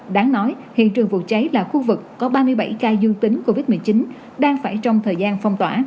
đáng nói hiện trường vụ cháy là khu vực có ba mươi bảy ca dương tính covid một mươi chín đang phải trong thời gian phong tỏa